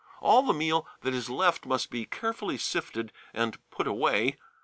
All the meal that is left must be carefully sifted and put away.